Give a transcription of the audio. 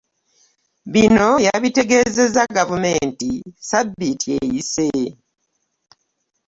Bino yabitegeeza gavumenti ssabbiiti eyise.